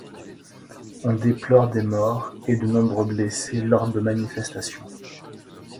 On déplore des morts et de nombreux blessés lors de manifestations.